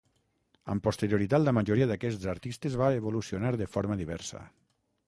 Amb posterioritat la majoria d'aquests artistes va evolucionar de forma diversa.